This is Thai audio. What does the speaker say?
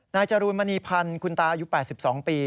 จรูนมณีพันธ์คุณตาอายุ๘๒ปี